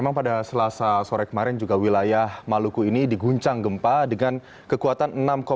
memang pada selasa sore kemarin juga wilayah maluku ini diguncang gempa dengan kekuatan enam tujuh